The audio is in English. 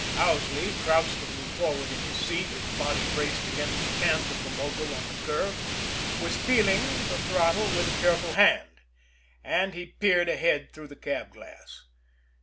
Owsley, crouched a little forward in his seat, his body braced against the cant of the mogul on the curve, was "feeling" the throttle with careful hand, as he peered ahead through the cab glass.